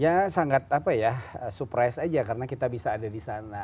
ya sangat apa ya surprise aja karena kita bisa ada di sana